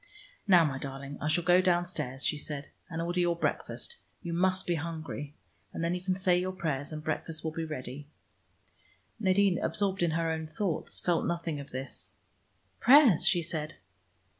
"Now, my darling, I shall go downstairs," she said, "and order your breakfast. You must be hungry. And then you can say your prayers, and breakfast will be ready." Nadine, absorbed in her own thoughts, felt nothing of this. "Prayers?" she said.